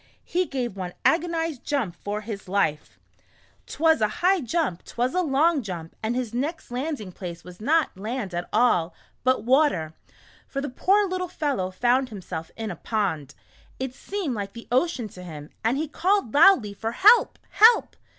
He gave one agonized jump for his life 1 A Grasshopper's Trip to the City. 123 'T was a high jump, 't was a long jump, and his next landing place was not land at all, but water, for the poor little fellow found himself in a pond. It seemed like the ocean to him, and he called loudly for ''help, help!"